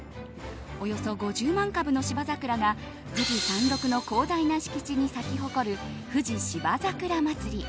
およそ５０万株の芝桜が富士山麓の広大な敷地に咲き誇る富士芝桜まつり。